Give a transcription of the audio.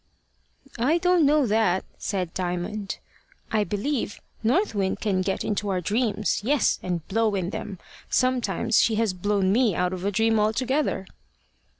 "I don't know that," said Diamond. "I believe North Wind can get into our dreams yes, and blow in them. Sometimes she has blown me out of a dream altogether."